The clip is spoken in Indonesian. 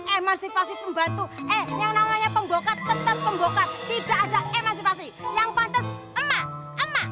emansipasi pembantu eh yang namanya pemboka tetap pemboka tidak ada emansipasi yang pantes emak emak